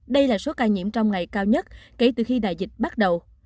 đây là số ca nhiễm trong ngày cao nhất kể từ khi đại dịch bắt đầu